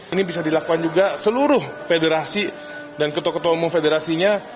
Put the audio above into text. ini bisa dilakukan juga seluruh federasi dan ketua ketua umum federasinya